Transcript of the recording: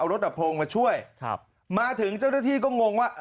เอารถดับพงค์มาช่วยม้าถึงเจ้าหน้าที่ก็งงว่า